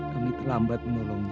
kami terlambat menolongnya